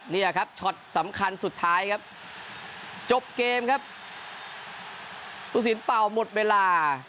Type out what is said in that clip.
เนี่ยครับช็อตสำคัญสุดท้ายครับจบเกมครับผู้สินเป่าหมดเวลา